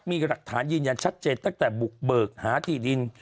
มีหลักฐานยืนยันชัดเจนตั้งแต่บุกเบิกหาที่ดิน